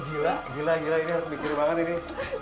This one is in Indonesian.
gila gila gila ini harus dikirim banget ini